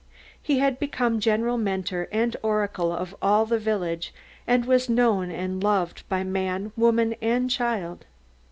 He had become general mentor and oracle of all the village and was known and loved by man, woman and child.